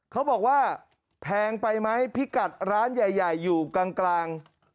เขาบอกว่าแพงไปไหมพิกัดร้านใหญ่อยู่กลาง